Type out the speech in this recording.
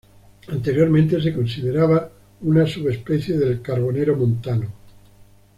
Anteriormente se consideraba una subespecie del carbonero montano.